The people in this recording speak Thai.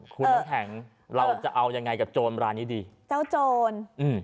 คุณน้ำแข็งเราจะเอายังไงกับโจรร้านนี้ดีเจ้าโจรอืม